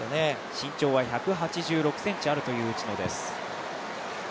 身長は１８６ｃｍあるという内野です。